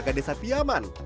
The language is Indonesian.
bagaimana dengan desa piyaman